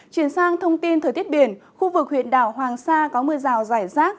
chuyển sang thông tin thời tiết biển khu vực huyện đảo hoàng sa có mưa rào rải rác